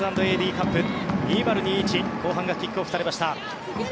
カップ２０２１後半がキックオフされました。